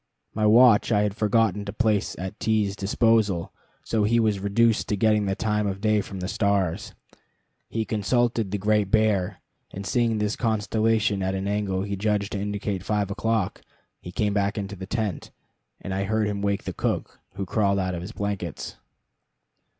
My watch I had forgotten to place at T 's disposal, so he was reduced to getting the time of day from the stars. He consulted the Great Bear, and seeing this constellation at an angle he judged to indicate five o'clock, he came back into the tent, and I heard him wake the cook, who crawled out of his blankets.